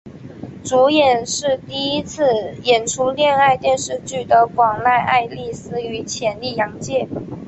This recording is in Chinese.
主演是第一次演出恋爱电视剧的广濑爱丽丝与浅利阳介。